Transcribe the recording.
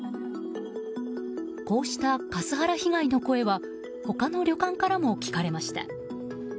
こうしたカスハラ被害の声は他の旅館からも聞かれました。